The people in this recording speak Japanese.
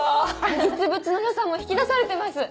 実物の良さも引き出されてます。